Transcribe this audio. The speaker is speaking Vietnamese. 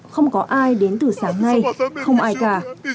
không có ai đến từ sáng nay không ai cả